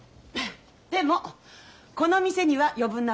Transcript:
でもこの店には余分な子です。